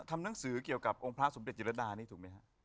ทำหนังสือเกี่ยวกับองค์พระสมเด็จจิรดานี่ถูกไหมฮะ